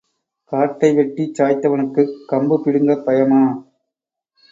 காட்டை வெட்டிச் சாய்த்தவனுக்குக் கம்பு பிடுங்கப் பயமா?